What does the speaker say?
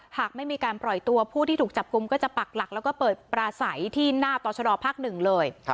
หากไม่มีการปล่อยตัวผู้ที่ถูกจับกลุ่มก็จะปักหลักแล้วก็เปิดปราศัยที่หน้าต่อชะดอภาคหนึ่งเลย